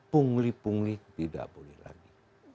pungli pungli tidak boleh lagi